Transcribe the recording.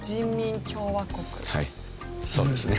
はいそうですね。